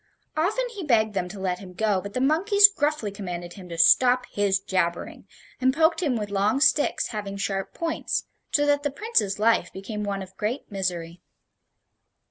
Often he begged them to let him go, but the monkeys gruffly commanded him to "stop his jabbering," and poked him with long sticks having sharp points; so that the Prince's life became one of great misery.